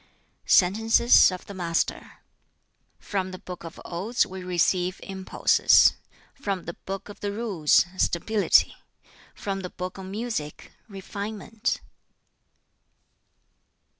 Sentences of the Master: "From the 'Book of Odes' we receive impulses; from the 'Book of the Rules,' stability; from the 'Book on Music,' refinement.